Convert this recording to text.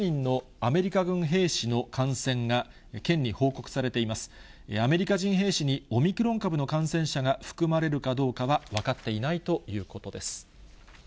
アメリカ人兵士にオミクロン株の感染者が含まれるかどうかは、分かっていないということです。